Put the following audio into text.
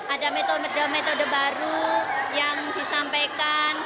ada metode metode baru yang disampaikan